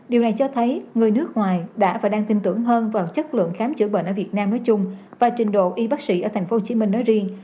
điều này cho thấy người nước ngoài đã và đang tin tưởng hơn vào chất lượng khám chữa bệnh ở việt nam nói chung và trình độ y bác sĩ ở tp hcm nói riêng